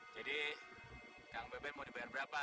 jadi kang beben mau dibayar berapa